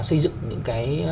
xây dựng những cái